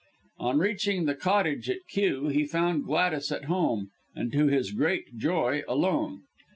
On reaching the Cottage, at Kew, he found Gladys at home, and to his great joy, alone.